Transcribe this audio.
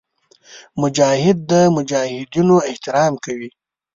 مجاهد د مجاهدینو احترام کوي.